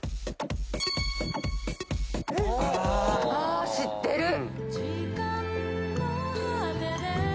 あ知ってる！